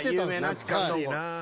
懐かしいな。